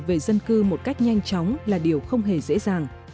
về dân cư một cách nhanh chóng là điều không hề dễ dàng